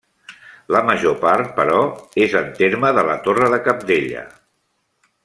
La major part, però, és en terme de la Torre de Cabdella.